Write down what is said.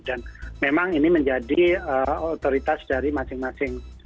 dan memang ini menjadi otoritas dari masing masing